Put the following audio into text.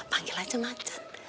panggil aja macan